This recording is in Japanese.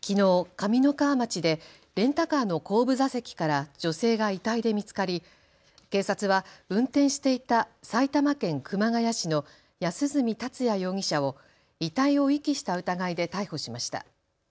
上三川町でレンタカーの後部座席から女性が遺体で見つかり警察は運転していた埼玉県熊谷市の安栖達也容疑者を遺体を遺棄した疑いで逮捕しました。